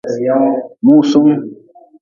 Musung.